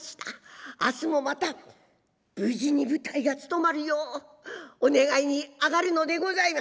明日もまた無事に舞台がつとまるようお願いに上がるのでございます」。